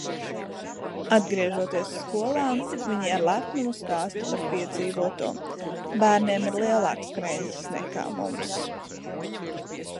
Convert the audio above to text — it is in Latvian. Atgriežoties skolā, viņi ar lepnumu stāsta par piedzīvoto. Bērniem ir lielāks kreņķis nekā mums.